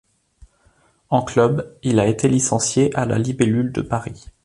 En club, il a été licencié à la Libellule de Paris.